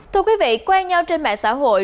thưa quý vị quen nhau trên mạng xã hội